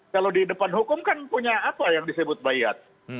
kalau di depan hukum kan punya apa yang disebut bayat